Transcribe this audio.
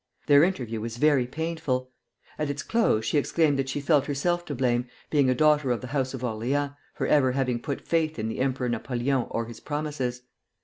Their interview was very painful. At its close she exclaimed that she felt herself to blame, being a daughter of the house of Orleans, for ever having put faith in the Emperor Napoleon or his promises.